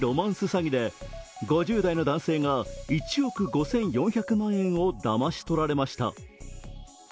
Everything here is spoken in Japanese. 詐欺で５０代の男性が１億５４００万円をだまし取られました。